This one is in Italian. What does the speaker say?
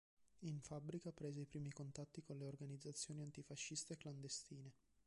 In fabbrica prese i primi contatti con le organizzazioni antifasciste clandestine.